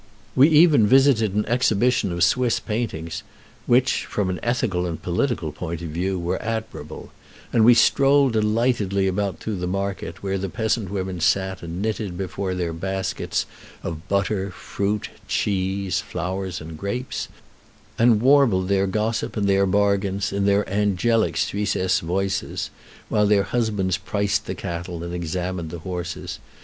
We even visited an exhibition of Swiss paintings, which, from an ethical and political point of view, were admirable; and we strolled delightedly about through the market, where the peasant women sat and knitted before their baskets of butter, fruit, cheese, flowers, and grapes, and warbled their gossip and their bargains in their angelic Suissesse voices, while their husbands priced the cattle and examined the horses.